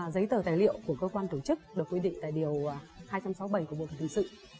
giấy tờ tài liệu của cơ quan tổ chức được quy định tại điều hai trăm sáu mươi bảy của bộ luật hình sự